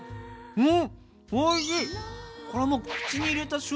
うん？